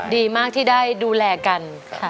ดีมากที่ได้ดูแลกันค่ะ